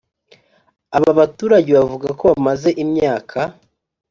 Aba baturage bavuga ko bamaze imyaka